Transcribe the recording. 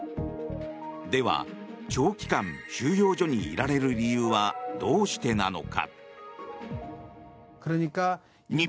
では、長期間収容所にいられる理由はどうしてなのか。